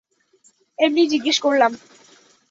এমনিই জিজ্ঞেস করলাম।